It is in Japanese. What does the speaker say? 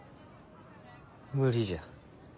無理じゃ。